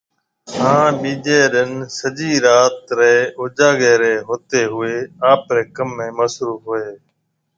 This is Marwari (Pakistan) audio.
هان ٻيجي ڏن سجي رات ري اوجاگي ري هوتي هوئي آپري ڪم ۾ مصروف هوئي هي